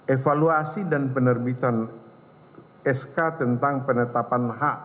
evaluasi dan penerbitan sk tentang penetapan hak